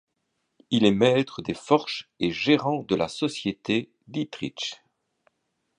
Il est maître des forges et gérant de la société de Dietrich.